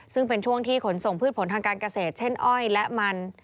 ซึ่งเป็นช่วงที่ขนส่งพืชผลทางการเกษตรเช่นอ้อยและมัน